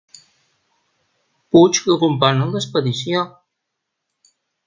Puig que componen l'expedició.